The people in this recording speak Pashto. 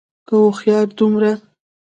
که هوښيار دومره